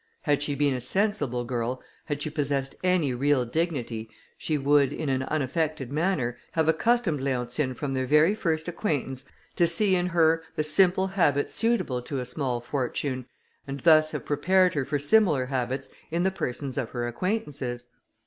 Had she been a sensible girl, had she possessed any real dignity, she would, in an unaffected manner, have accustomed Leontine from their very first acquaintance to see in her the simple habits suitable to a small fortune, and thus have prepared her for similar habits in the persons of her acquaintances.